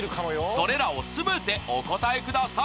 それらを全てお答えください！